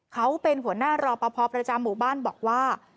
เขาเป็นหัวหน้ารอปภประจำหมู่บ้านบอกว่า